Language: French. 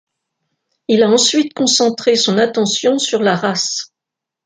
Il a ensuite concentré son attention sur la race.